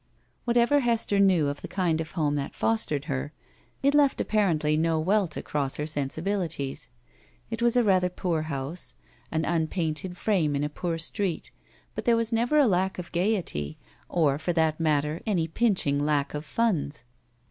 "WTiatever Hester knew of the kind of home that fostered her, it left apparently no welt across her sensibiUties. It was a rather poor house, an un painted frame in a poor street, but there was never a lack of gayety or, for that matter, any pinching lack of funds.